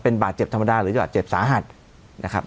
เป็นบาดเจ็บธรรมดาหรือจะบาดเจ็บสาหัสนะครับ